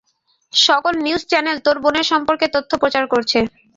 সকল news channel তোর বোনের সম্পর্কে তথ্য প্রচার করছে।